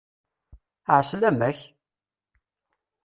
Ɛeslama-k!